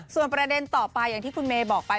ส่วนประเด็นต่อไปอย่างที่คุณเมย์บอกไป